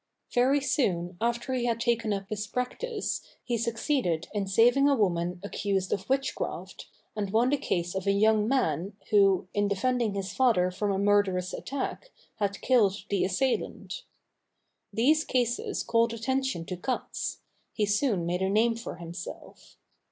Very soon after he had taken up his practice he succeeded in saving a woman accused of witchcraft, and won the case of a young man who, in defending his father from a murderous attack, had killed the assailant. These cases called attention to Cats; he soon made a name for himself.